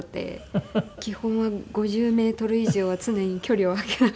基本は５０メートル以上は常に距離を空けながら。